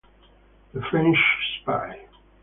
The French Spy